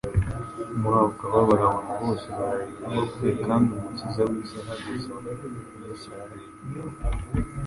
Muri ako kababaro abona bose baririra uwapfuye kandi Umukiza w'isi ahagaze aho, "Yesu ararira".